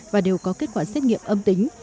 và đều có kết quả xét nghiệm âm tính